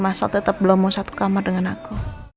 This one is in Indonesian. masa tetap belum mau satu kamar dengan aku